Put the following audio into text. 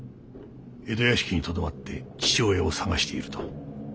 江戸屋敷にとどまって父親を捜していると。